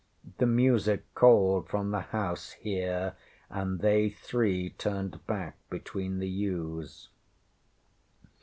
The music called from the house here, and they three turned back between the yews.